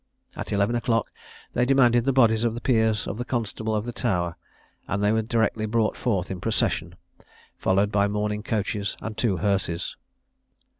At eleven o'clock they demanded the bodies of the peers of the constable of the Tower, and they were directly brought forth in procession, followed by mourning coaches and two hearses.